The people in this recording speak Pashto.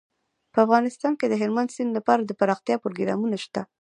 په افغانستان کې د هلمند سیند لپاره د پرمختیا پروګرامونه شته.